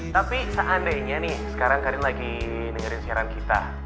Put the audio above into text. tapi seandainya nih sekarang karin lagi dengerin siaran kita